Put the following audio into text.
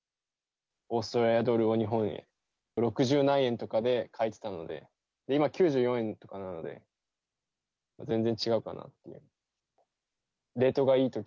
オーストラリアドルを日本円に、六十何円とかで替えてたので、今９４円とかなので、全然違うかなと。